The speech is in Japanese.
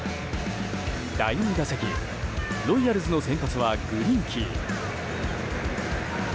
第２打席、ロイヤルズの先発はグリンキー。